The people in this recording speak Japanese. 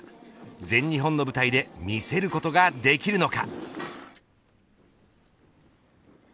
全日本の舞台で見せることができるのか。